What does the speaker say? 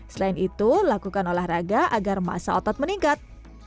selain itu lakukan olahraga agar masa otot meningkat